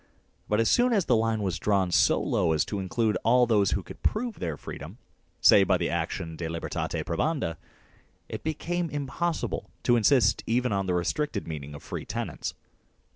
But as soon as the line was drawn so low as to include all those who could prove their freedom, say by the action " de libertate probanda," it became impossible to insist even on the restricted meaning of free tenants.